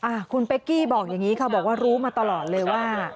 อ่ะคุณเป๊กกี้บอกอย่างนี้ค่ะบอกว่ารู้มาตลอดเลยว่า